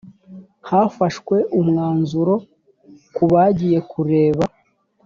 hafashwe umwanzuro ko bagiye kureba